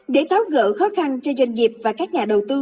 để tháo gỡ khó khăn cho doanh nghiệp và các nhà đầu tư